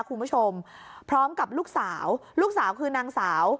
คุณผู้ชมพร้อมกับลูกสาวลูกสาวคือนางสาว